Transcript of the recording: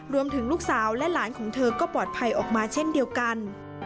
ลูกสาวและหลานของเธอก็ปลอดภัยออกมาเช่นเดียวกัน